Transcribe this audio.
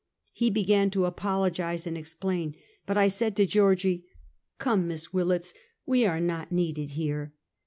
He began to apologize and explain, but I said to Georgie: " Come, Miss "Willets, we are not needed here."